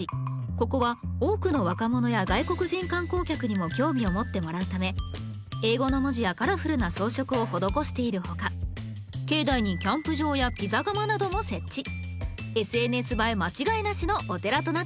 ここは多くの若者や外国人観光客にも興味を持ってもらうため英語の文字やカラフルな装飾を施しているほか境内にキャンプ場やピザ窯なども設置ＳＮＳ映え間違いなしのお寺となっています